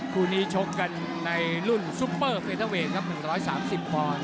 คู่นี้ชกกันในรุ่นซุปเปอร์เฟเทอร์เวทครับ๑๓๐ปอนด์